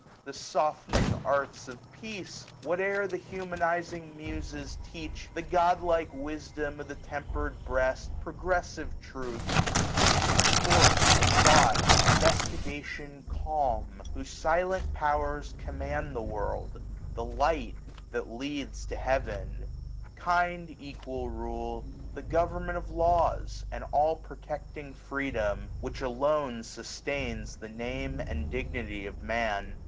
the softening arts of Peace j 875 Whatever the humanizing Muses teach ; The godlike wisdom of the tempered breast ; Progressive truth ; the patient force of thought j Inveftigation calm, whose silent powers Command the world; the Light that leads to Heaven; Kind equal rule ; the government of laws, 88 1 And all protecting Freedom, which alone Sustains the name and dignity of Man ; SUMMER.